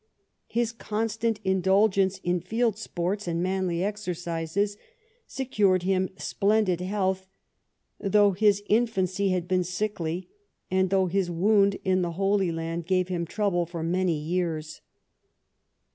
His constant indulgence in field sports and manly exercises secured him splendid health, though his infancy had been sickly and though his wound in the Holy Land gave him trouble for many years.